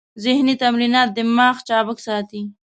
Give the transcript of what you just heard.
ذهني تمرینات دماغ چابک ساتي.